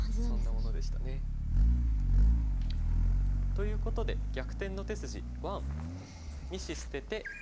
そんなものでしたね。ということで「逆転の手筋１」。